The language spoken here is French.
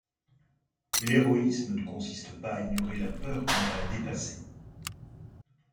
L'héroïsme ne consiste pas à ignorer la peur, mais à la dépasser.